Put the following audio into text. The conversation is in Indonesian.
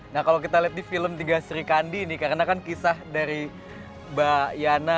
nah kalau kita lihat di film tiga sri kandi nih karena kan kisah dari mbak yana